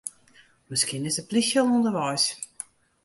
Miskien is de plysje al ûnderweis.